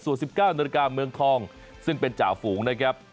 ส่วน๑๙นาฬิกาเมืองทองซึ่งเป็นจ่าฝูงนะครับ